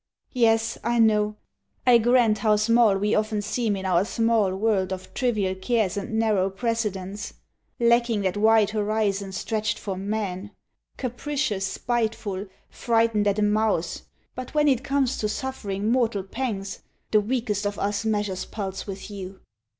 Yes, I know. I grant How small we often seem in our small world Of trivial cares and narrow precedents Lacking that wide horizon stretched for men Capricious, spiteful, frightened at a mouse; But when it comes to suffering mortal pangs, The weakest of us measures pulse with you.